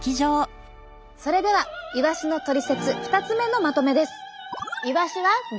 それではイワシのトリセツ２つ目のまとめです。